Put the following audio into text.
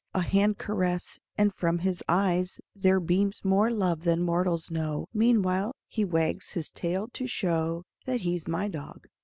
A hand caress, and from his eyes There beams more love than mortals know; Meanwhile he wags his tail to show That he's my dog.